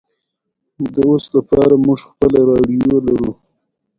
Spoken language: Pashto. ازادي راډیو د اطلاعاتی تکنالوژي په اړه د معارفې پروګرامونه چلولي.